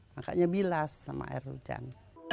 makanya bilas sama air hujan